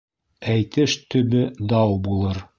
Әйтеш төбө дау булыр.